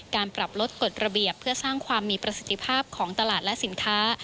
การปรับลดกฎระเบียบเพื่อสร้างความมีประสิทธิภาพของตลาดและสินค้า